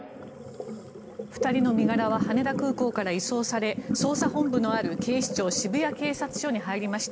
２人の身柄は羽田空港から移送され捜査本部のある警視庁渋谷警察署に入りました。